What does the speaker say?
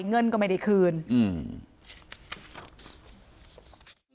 เงินก็ไม่ได้คืนอืม